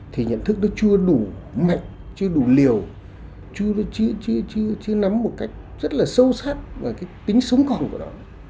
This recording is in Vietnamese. thì nhận thức đó chưa đủ mạnh chưa đủ liều chưa nắm một cách rất là sâu sắc vào cái tính sống còn của nó